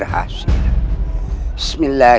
saya sudah membilas